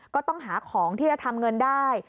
ก็ต้องหาของที่จะทำเงินได้